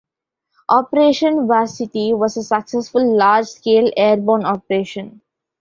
Operation Varsity was a successful large-scale airborne operation.